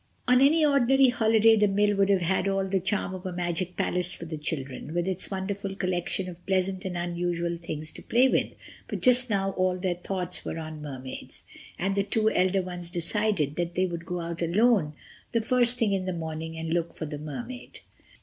On any ordinary holiday the mill would have had all the charm of a magic palace for the children, with its wonderful collection of pleasant and unusual things to play with, but just now all their thoughts were on Mermaids. And the two elder ones decided that they would go out alone the first thing in the morning and look for the Mermaid.